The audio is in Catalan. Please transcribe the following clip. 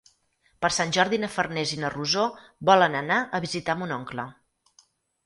Per Sant Jordi na Farners i na Rosó volen anar a visitar mon oncle.